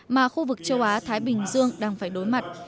mà khu vực châu á thái bình dương đang phải đối mặt